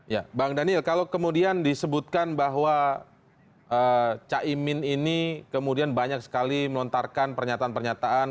ya bang daniel kalau kemudian disebutkan bahwa caimin ini kemudian banyak sekali melontarkan pernyataan pernyataan